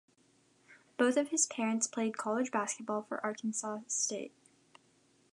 Both of his parents played college basketball for Arkansas State.